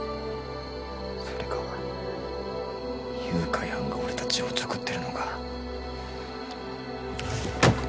それか誘拐犯が俺たちをおちょくってるのか。